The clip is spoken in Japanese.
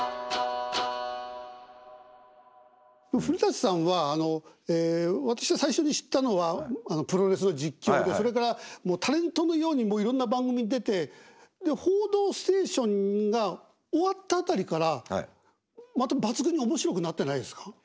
古さんは私が最初に知ったのはプロレスの実況でそれからもうタレントのようにいろんな番組に出てで「報道ステーション」が終わった辺りからまた抜群に面白くなってないですか？